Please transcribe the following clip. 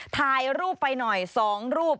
ถ่ายรูปไปหน่อย๒รูป